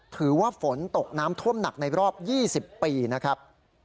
ถือว่าฝนตกน้ำท่วมหนักในรอบ๒๐ปีนะครับ